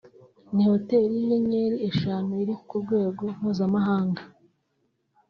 ni hoteli y’inyenyeri eshanu iri ku rwego mpuzamahanga